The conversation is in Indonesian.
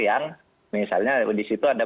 yang misalnya di situ ada